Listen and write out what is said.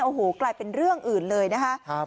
โอ้โหกลายเป็นเรื่องอื่นเลยนะคะ